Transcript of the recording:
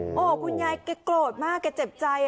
โอ้โหคุณยายแกโกรธมากแกเจ็บใจ